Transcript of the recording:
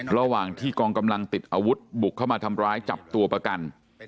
ระหว่างที่กองกำลังติดอาวุธบุกเข้ามาทำร้ายจับตัวประกัน